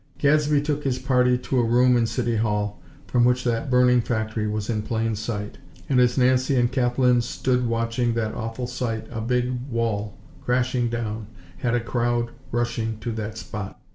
Gadsby took his party to a room in City Hall from which that burning factory was in plain sight; and as Nancy and Kathlyn stood watching that awful sight a big wall, crashing down, had a crowd rushing to that spot.